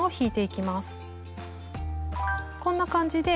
こんな感じで菱